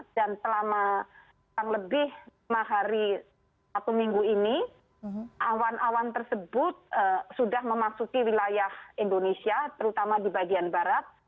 dan selama lebih lima hari satu minggu ini awan awan tersebut sudah memasuki wilayah indonesia terutama di bagian barat